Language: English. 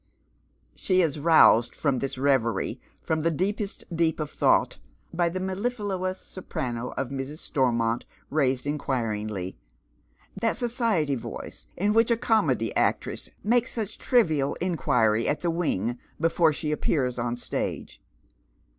She is aroused fi om this reverie, from tlio deepest deep of thought, by the mellifluous soprano of Mi'S. Stormont, raised A Mysterious Visitor. 109 inquiringly — that society voice in which a comedy actress makes Bome trivial inquiry at the wing before she appears on the stage.